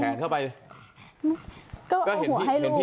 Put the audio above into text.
ถ้าคนอื่นมาเล่นด้วยเขาก็จะเล่นเนอะ